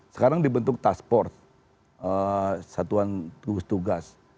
sekarang dibentuk task force satuan tugas tugas